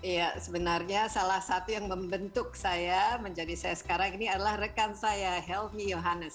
ya sebenarnya salah satu yang membentuk saya menjadi saya sekarang ini adalah rekan saya helmi yohannes